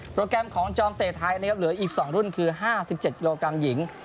แกรมของจอมเตะไทยนะครับเหลืออีก๒รุ่นคือ๕๗กิโลกรัมหญิง